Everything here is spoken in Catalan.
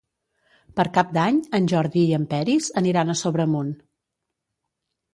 Per Cap d'Any en Jordi i en Peris aniran a Sobremunt.